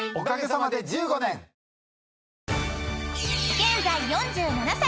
［現在４７歳。